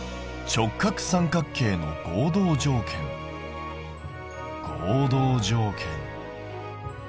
直角三角形の合同条件ですよね。